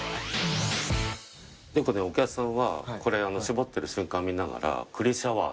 結構ねお客さんはこれ搾ってる瞬間見ながら。